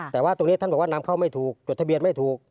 แต่ว่าตรงนี้ท่านบอกว่านำเข้าไม่ถูกจดทะเบียนไม่ถูก